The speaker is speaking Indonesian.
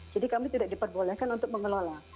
jadi kami tidak diperbolehkan untuk mengelola